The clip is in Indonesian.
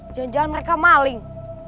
jangan jangan mereka maling